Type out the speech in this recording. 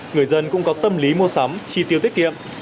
người dân cũng có tâm lý mua sắm chi tiêu tiết kiệm